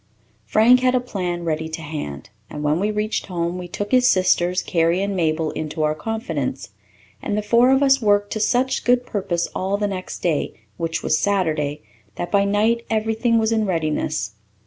Frank had a plan ready to hand and, when we reached home, we took his sisters, Carrie and Mabel, into our confidence; and the four of us worked to such good purpose all the next day, which was Saturday, that by night everything was in readiness.